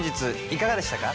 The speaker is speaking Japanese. いかがでしたか？